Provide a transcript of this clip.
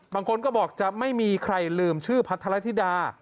บางคนก็บอกจะไม่มีใครลืมชื่อพัทรธิดา